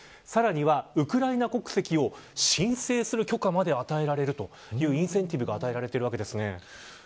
さらには、ウクライナ国籍を申請する許可まで与えられるというインセンティブが与えられます。